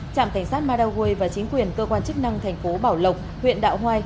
trạm cảnh sát madaway và chính quyền cơ quan chức năng thành phố bảo lộc huyện đạo hoai